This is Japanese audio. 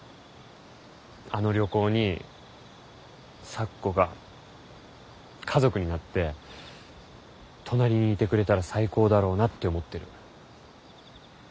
あの旅行に咲子が家族になって隣にいてくれたら最高だろうなって思ってる。